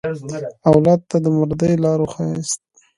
اولاد ته د مردۍ لاره وښیاست.